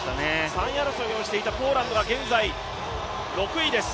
３位争いをしていたポーランドが現在５位です。